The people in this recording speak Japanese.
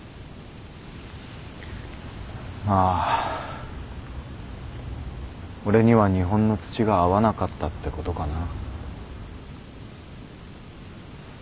まあ俺には日本の土が合わなかったってことかな。